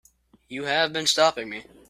You have been stopping me.